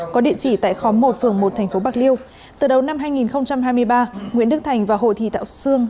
có địa chỉ tại khóm một phường một thành phố bạc liêu từ đầu năm hai nghìn hai mươi ba nguyễn đức thành và hồ thị thảo sương